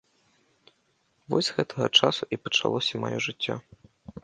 Вось з гэтага часу і пачалося маё жыццё.